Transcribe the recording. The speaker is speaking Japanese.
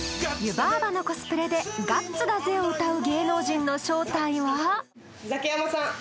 湯婆婆のコスプレで「ガッツだぜ！！」を歌う芸能人の正体は？